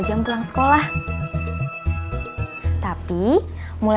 makasih ya pon